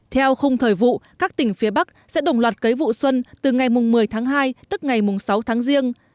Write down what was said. theo khung thời vụ các tỉnh phía bắc sẽ đồng loạt cấy vụ xuân từ ngày một mươi tháng hai tức ngày sáu tháng riêng